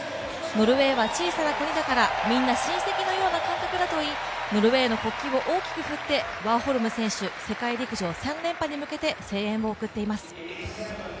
ノルウェーは小さな国だからみんな親戚のような感覚だといいノルウェーの国旗を大きく振ってワーホルム選手世界陸上３連覇に向けて声援を送っています。